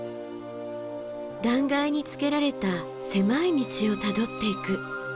断崖につけられた狭い道をたどっていく。